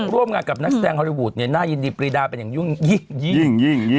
ร่วมงานกับนักแสดงฮอลลี่วูดน่ายินดีปรีดาเป็นอย่างยิ่ง